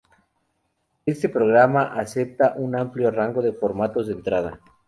Este programa acepta un amplio rango de formatos de entrada.